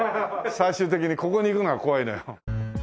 最終的にここにいくのが怖いのよ。